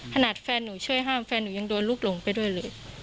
แฟนหนูช่วยห้ามแฟนหนูยังโดนลูกหลงไปด้วยเลย